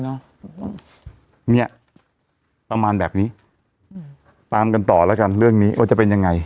เนี้ยประมาณแบบนี้อืมตามกันต่อแล้วกันเรื่องนี้ว่าจะเป็นยังไง